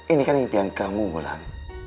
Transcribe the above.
ini kan impian kamu ulang